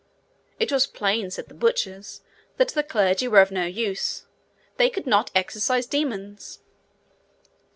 It was plain, said the butchers, that the clergy were of no use; they could not exorcise demons!